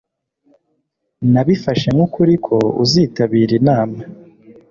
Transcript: Nabifashe nkukuri ko uzitabira inama